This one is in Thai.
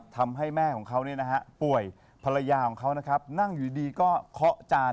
ทำให้แม่ของเขาป่วยภรรยาของเขานะครับนั่งอยู่ดีก็เคาะจาน